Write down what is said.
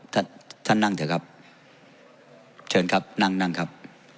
ท่านท่านนั่งเถอะครับเชิญครับนั่งนั่งครับ